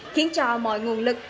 khiến cho mọi nguồn lực